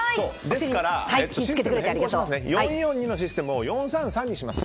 ですから４−４−２のシステムを４−３−３にします。